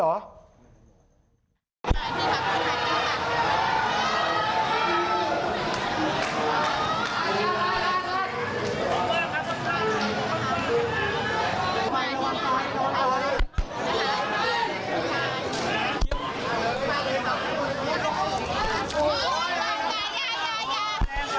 ดูดลงไปอย่าอย่าอย่า